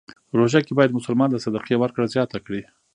روژه کې باید مسلمان د صدقې ورکړه زیاته کړی.